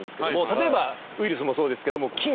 例えばウイルスもそうですけども菌。